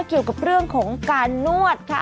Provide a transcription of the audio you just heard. เกี่ยวกับเรื่องของการนวดค่ะ